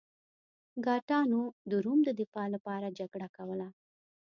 ګاټانو د روم د دفاع لپاره جګړه کوله.